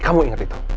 kamu inget itu